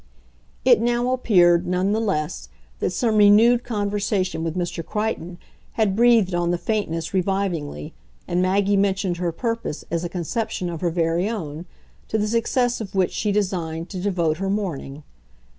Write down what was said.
It now appeared, none the less, that some renewed conversation with Mr. Crichton had breathed on the faintness revivingly, and Maggie mentioned her purpose as a conception of her very own, to the success of which she designed to devote her morning.